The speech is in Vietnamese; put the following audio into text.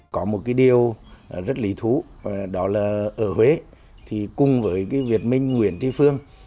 có một điều rất lý thú đó là ở huế cùng với việt minh nguyễn tri phương